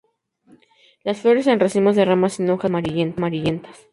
Las flores en racimos de ramas sin hojas, blancas amarillentas.